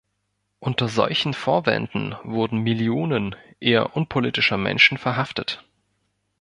Unter solchen Vorwänden wurden Millionen eher unpolitischer Menschen verhaftet.